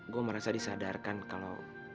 gue merasa disadarkan kalo